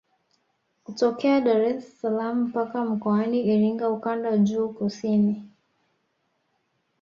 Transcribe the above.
Kutokea Dar es salaam mpaka Mkoani Iringa ukanda juu kusini